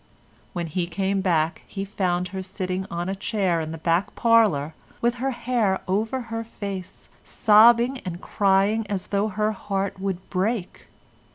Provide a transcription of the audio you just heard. When he came back he found her sitting on a chair in the back parlour, with her hair over her face, sobbing and crying as though her heart would break.